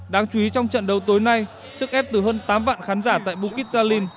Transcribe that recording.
đáng chú ý trong trận đấu tối nay sức ép từ hơn tám vạn khán giả tại bukit jali